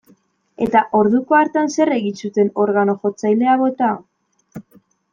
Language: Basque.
Eta orduko hartan zer egin zuten, organo-jotzailea bota?